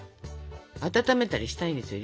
温めたりしたいんですよ